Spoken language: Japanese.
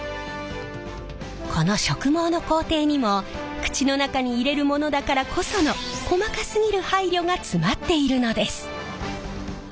この植毛の工程にも口の中に入れるものだからこその細かすぎる配慮が詰まっているのです。